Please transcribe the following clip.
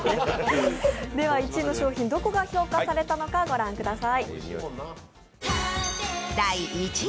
１位の商品、どこが評価されたのか御覧ください。